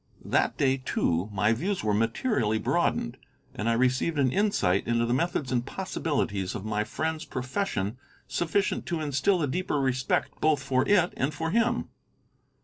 That day, too, my views were materially broadened, and I received an insight into the methods and possibilities of my friend's profession sufficient to instil a deeper respect both for it and for him.